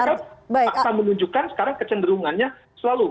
akta menunjukkan sekarang kecenderungannya selalu